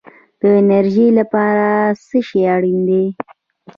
د انرژۍ لپاره څه شی اړین دی؟